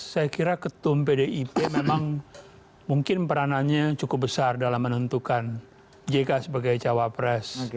saya kira ketum pdip memang mungkin peranannya cukup besar dalam menentukan jk sebagai cawapres